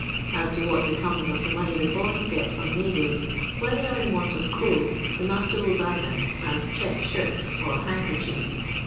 As to whst be> comes of the money the boys get on May^i^'y when they are in want of clothen, the master iml buy them, as check shirts or handkerchiefs.